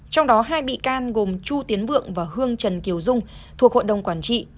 trong đó hai bị can gồm chu tiến vượng và hương trần kiều dung thuộc hội đồng quản trị